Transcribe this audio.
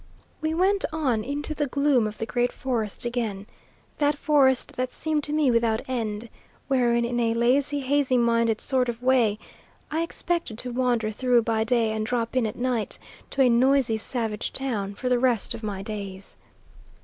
We went on into the gloom of the Great Forest again; that forest that seemed to me without end, wherein, in a lazy, hazy minded sort of way, I expected to wander through by day and drop in at night to a noisy savage town for the rest of my days.